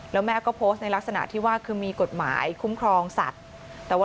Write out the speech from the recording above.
แล้วแม่ก็โพสต์ในลักษณะที่ว่าคือมีกฎหมายคุ้มครองสัตว์